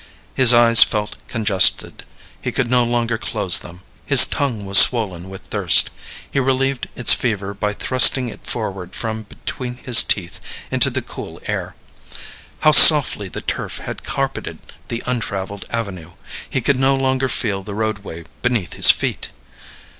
His eyes felt congested; he could no longer close them. His tongue was swollen with thirst; he relieved its fever by thrusting it forward from between his teeth into the cool air. How softly the turf had carpeted the untraveled avenue he could no longer feel the roadway beneath his feet!